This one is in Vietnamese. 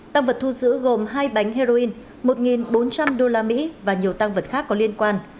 tăng vật thu giữ gồm hai bánh heroin một bốn trăm linh usd và nhiều tăng vật khác có liên quan